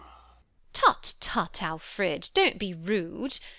Tut, tut, Alfred: don't be rude.